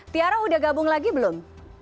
tiara udah gabung lagi belum